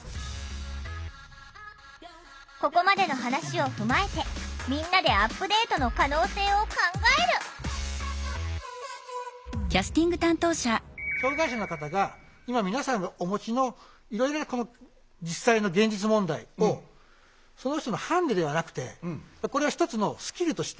ここまでの話を踏まえてみんなでアップデートの可能性を考える障害者の方が今皆さんがお持ちのいろいろな実際の現実問題をその人のハンデではなくてこれは一つのスキルとして。